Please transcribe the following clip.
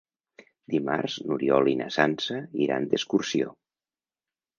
Dimarts n'Oriol i na Sança iran d'excursió.